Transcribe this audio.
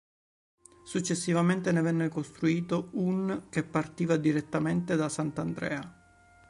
Successivamente ne venne costruito un che partiva direttamente da Sant'Andrea.